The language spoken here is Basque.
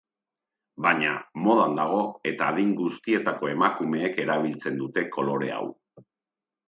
Baina, modan dago eta adin guztietako emakumeek erabiltzen dute kolore hau.